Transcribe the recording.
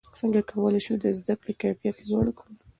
څنګه کولای شو د زده کړې کیفیت لوړ کړو؟